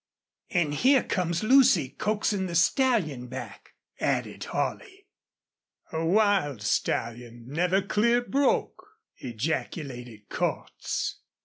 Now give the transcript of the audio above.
"An' here comes Lucy coaxin' the stallion back," added Holley. "A wild stallion never clear broke!" ejaculated Cordts.